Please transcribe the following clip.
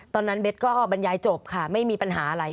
เบสก็บรรยายจบค่ะไม่มีปัญหาอะไร